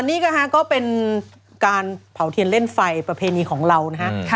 นี่นะฮะก็เป็นการเผาเทียนเล่นไฟประเพณีของเรานะฮะ